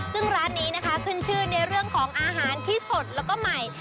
ซึ่งร้านนี้นะคะขึ้นชื่อในเรื่องของอาหารที่สดแล้วก็ใหม่